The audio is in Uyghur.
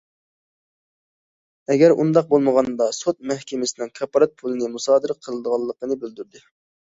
ئەگەر ئۇنداق بولمىغاندا سوت مەھكىمىسىنىڭ كاپالەت پۇلىنى مۇسادىرە قىلىدىغانلىقىنى بىلدۈردى.